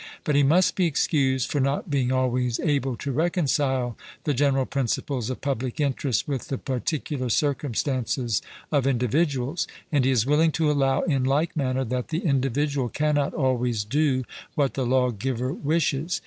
But he must be excused for not being always able to reconcile the general principles of public interest with the particular circumstances of individuals; and he is willing to allow, in like manner, that the individual cannot always do what the lawgiver wishes.